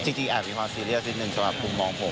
อาจมีความซีเรียสนิดนึงสำหรับมุมมองผม